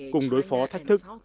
cùng đối phó thách thức